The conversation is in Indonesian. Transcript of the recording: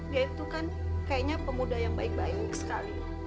dia itu kan kayaknya pemuda yang baik baik sekali